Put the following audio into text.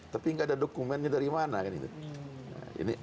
tapi nggak ada dokumennya dari mana kan itu